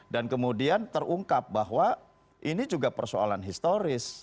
dan kemudian terungkap bahwa ini juga persoalan historis